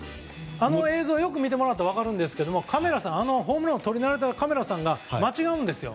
あの映像をよく見てもらったら分かるんですけどホームランを撮り慣れたカメラさんが間違うんです。